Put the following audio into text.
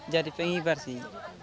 jadi pengibar sih